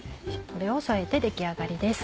これを添えて出来上がりです。